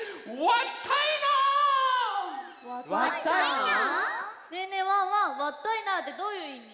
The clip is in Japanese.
わったいなってどういういみ？